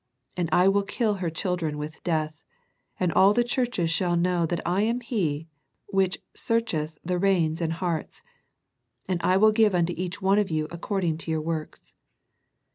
And I will kill her children with. death; and all the churches shall know that I am He which searcheth the reins and hearts: and I will give unto each one of you according to your works.